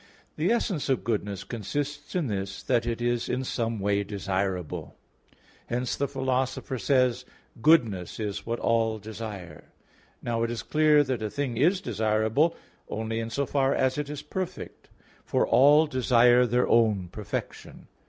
The essence of goodness consists in this, that it is in some way desirable. Hence the Philosopher says (Ethic. i): "Goodness is what all desire." Now it is clear that a thing is desirable only in so far as it is perfect; for all desire their own perfection.